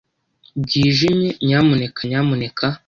Bwijimye. Nyamuneka nyamuneka.